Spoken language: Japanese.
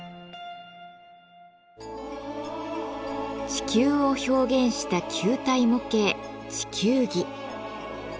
地球を表現した球体模型地球儀。